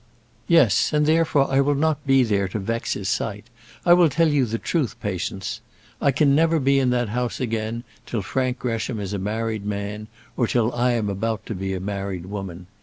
"Yes, and therefore I will not be there to vex his sight. I will tell you the truth, Patience. I can never be in that house again till Frank Gresham is a married man, or till I am about to be a married woman.